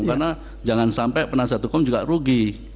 karena jangan sampai penasihat hukum juga rugi